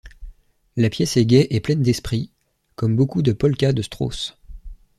La pièce est gaie et pleine d'esprit, comme beaucoup de polkas de Strauss.